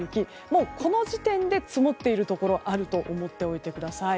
もうこの時点で積もっているところあると思っておいてください。